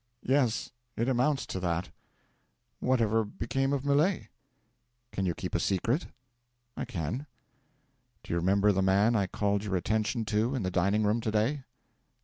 'Yes it amounts to that.' 'Whatever became of Millet?' 'Can you keep a secret?' 'I can.' 'Do you remember the man I called your attention to in the dining room to day?